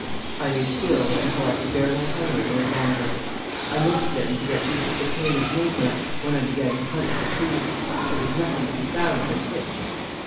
I lay still until I could bear my hunger no longer. I moved then to get used to the pain of movement, when I began to hunt for food. There was nothing to be found but hips.